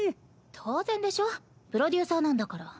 当然でしょプロデューサーなんだから。